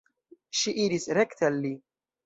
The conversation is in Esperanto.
Ŝi iris rekte al li.